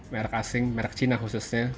merk asing merk china khususnya